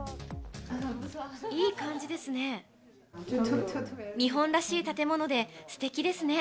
いい感じですね。